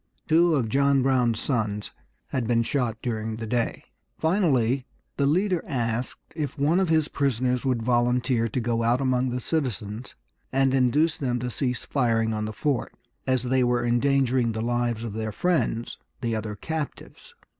Two of John Brown's sons had been shot during the day. Finally the leader asked if one of his prisoners would volunteer to go out among the citizens and induce them to cease firing on the fort, as they were endangering the lives of their friends, the other captives.